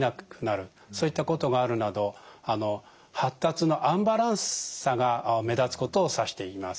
そういったことがあるなど発達のアンバランスさが目立つことを指して言います。